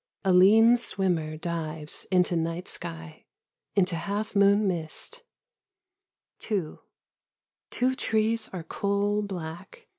A lean swimmer dives into night sky, Into half moon mist. 2 Two trees are coal black.